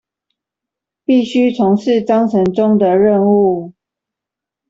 必須從事章程中的任務